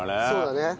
そうだね。